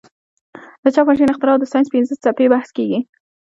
د چاپ ماشین اختراع او د ساینس پنځه څپې بحث کیږي.